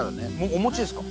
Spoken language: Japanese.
おもちですか？